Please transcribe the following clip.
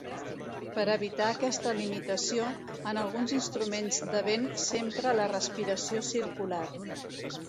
Per evitar aquesta limitació, en alguns instruments de vent s'empra la respiració circular.